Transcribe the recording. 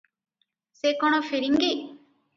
ସେ କଣ ଫିରିଙ୍ଗୀ?